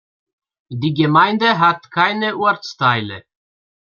Die Gemeinde hat keine Ortsteile.